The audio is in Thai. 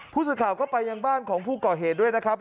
ผู้สื่อข่าวก็ไปยังบ้านของผู้ก่อเหตุด้วยนะครับ